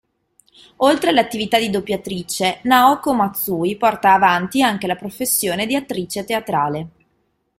Oltre all'attività di doppiatrice, Naoko Matsui porta avanti anche la professione di attrice teatrale.